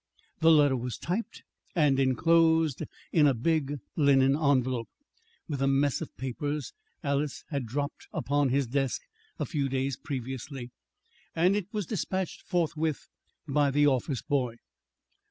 The letter was typed and inclosed in a big linen envelope, with the mess of papers Alys had dumped upon his desk a few days previously, and it was despatched forthwith by the office boy.